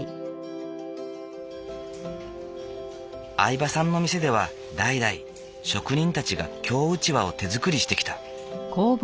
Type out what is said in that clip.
饗庭さんの店では代々職人たちが京うちわを手づくりしてきた。